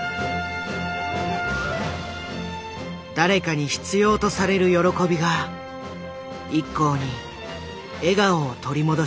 誰かに必要とされる喜びがＩＫＫＯに笑顔を取り戻した。